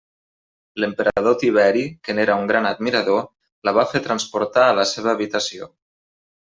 L'emperador Tiberi, que n'era un gran admirador, la va fer transportar a la seva habitació.